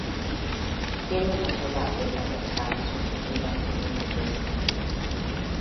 Tiene una sola aleta dorsal, sostenida con una cresta en el lomo.